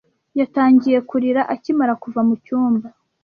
Yatangiye kurira akimara kuva mucyumba.